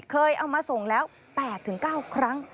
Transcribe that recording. เคยเอามาส่งแล้ว๘๙ครั้ง